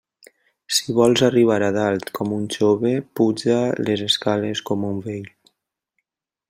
Si vols arribar a dalt com un jove, puja les escales com un vell.